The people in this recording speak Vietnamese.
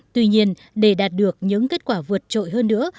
tuy nhiên để đạt được những kết quả vượt trội hơn nữa